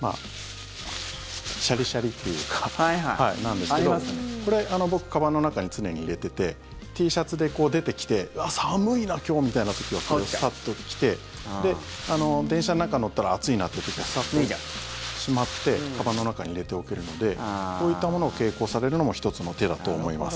シャリシャリっていうかなんですけどこれ、僕かばんの中に常に入れててＴシャツで出てきてうわ、寒いな今日みたいな時はこれをサッと着て電車の中に乗ったら暑いなって時はサッとしまってかばんの中に入れておけるのでこういったものを携行されるのも１つの手だと思います。